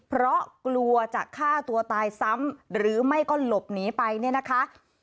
เพราะกลัวจะฆ่าตัวตายซ้ำหรือไม่ก็หลบหนีไปเนี่ยนะคะ